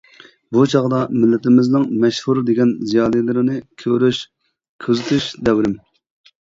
بۇ چاغدا مىللىتىمىزنىڭ مەشھۇر دېگەن زىيالىيلىرىنى كۆرۈش، كۆزىتىش دەۋرىم.